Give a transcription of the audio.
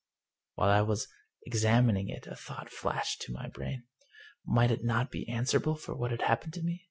While I was examining it a thought flashed to my brain. Might it not be answerable for what had happened to me?